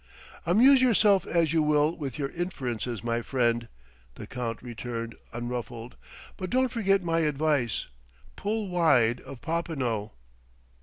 "Amuse yourself as you will with your inferences, my friend," the Count returned, unruffled; "but don't forget my advice: pull wide of Popinot!"